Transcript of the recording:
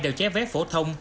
đều chế vé phổ thông